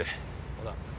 ほな！